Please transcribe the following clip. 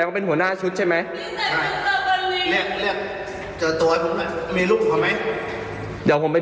วันนี้เธอตามอาหารลงไป